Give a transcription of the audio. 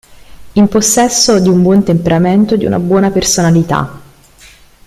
In possesso di un buon temperamento e di una buona personalità.